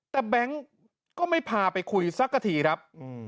แต่แบงค์ก็ไม่พาไปคุยสักกะทีครับ